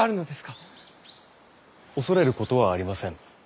恐れることはありません。